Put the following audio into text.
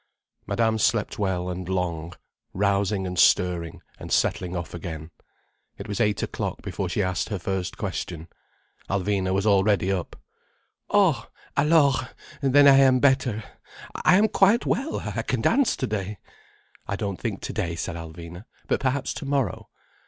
Madame slept well and long, rousing and stirring and settling off again. It was eight o'clock before she asked her first question. Alvina was already up. "Oh—alors—Then I am better, I am quite well. I can dance today." "I don't think today," said Alvina. "But perhaps tomorrow."